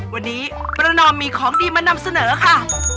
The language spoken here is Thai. วันนี้ประนอมมีของดีมานำเสนอค่ะ